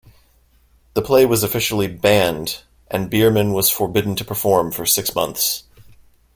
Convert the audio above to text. The play was officially banned and Biermann was forbidden to perform for six months.